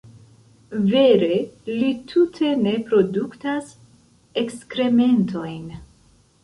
Vere, li tute ne produktas ekskrementojn.